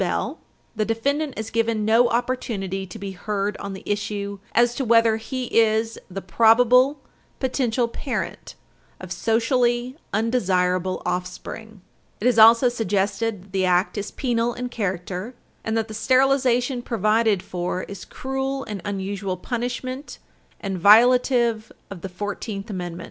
200, the defendant is given no opportunity to be heard on the issue as to whether he is the probable potential parent of socially undesirable offspring. See Davis v. Berry, 216 F. 413; Williams v. Smith, 190 Ind. 526, 131 N.E. 2. It is also suggested that the Act is penal in character, and that the sterilization provided for is cruel and unusual punishment and violative of the Fourteenth Amendment.